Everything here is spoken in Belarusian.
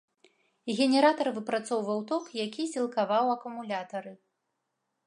Генератар выпрацоўваў ток, які сілкаваў акумулятары.